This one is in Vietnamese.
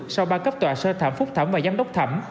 sau ba cấp tòa sơ thẩm phúc thẩm và giám đốc thẩm